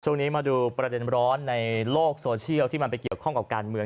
ช่วงนี้มาดูประเด็นร้อนในโลกโซเชียลที่มันไปเกี่ยวข้องกับการเมือง